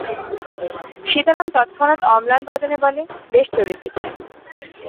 সীতারাম তৎক্ষণাৎ অম্লানবদনে বলে, বেশ চলিতেছে।